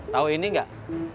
tau ini gak